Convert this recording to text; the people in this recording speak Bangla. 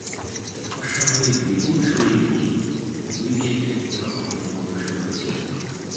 অস্বাভাবিক বিপুল শরীর নিয়ে উইকেট-রক্ষণে অগ্রসর হয়েছিলেন।